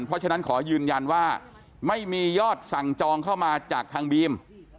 เพราะฉะนั้นขอยืนยันว่าไม่มียอดสั่งจองเข้ามาจากทางบีม